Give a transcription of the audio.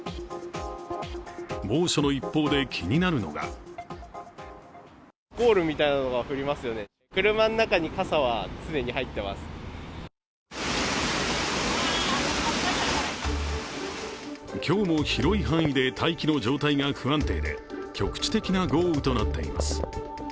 猛暑の一方で、気になるのが今日も広い範囲で大気の状態が不安定で局地的な豪雨となっています。